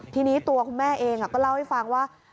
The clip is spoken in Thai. ทีนี้ตัวคุณแม่เองก็เล่าให้ฟังว่า